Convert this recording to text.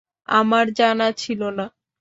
আমার জানা ছিল না।